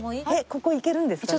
ここ行けるんですかね？